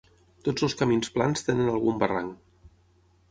Tots els camins plans tenen algun barranc.